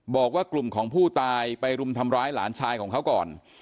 บอกว่ากลุ่มของผู้ตายไปรุมทำร้ายหลานชายของเขาก่อน